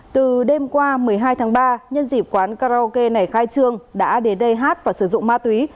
từ đêm qua một mươi hai tháng ba nhân dịp quán karaoke này khai trương đã đến đây hát và sử dụng ma túy